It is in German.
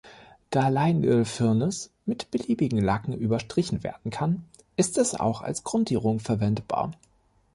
Da Leinölfirnis mit beliebigen Lacken überstrichen werden kann, ist es auch als Grundierung verwendbar.